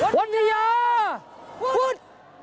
ทั้งหมด